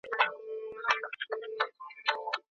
ټولنیز عدالت باید تامین سي.